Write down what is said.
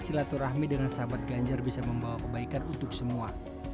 silaturahmi dengan sahabat ganjar bisa membawa kebaikan untuk semua